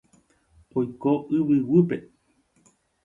Oiko yvyguýpe.